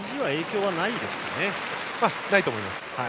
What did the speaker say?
ないと思います。